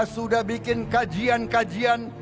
sudah bikin kajian kajian